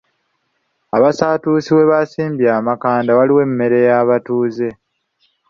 Abasatuusi we basimbye amakanda waliwo emmere y'abatuuze.